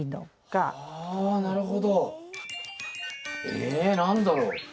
え何だろう？